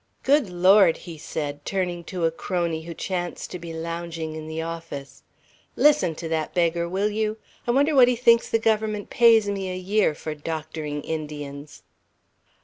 "Good Lord!" he said, turning to a crony who chanced to be lounging in the office. "Listen to that beggar, will you? I wonder what he thinks the Government pays me a year for doctoring Indians!"